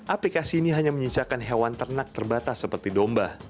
aplikasi ini hanya menyisakan hewan ternak terbatas seperti domba